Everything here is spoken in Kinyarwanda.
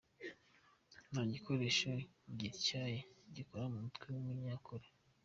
Nta gikoresho gityaye gikora ku mutwe w’umunyakuri.